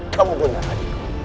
kamu benar rakan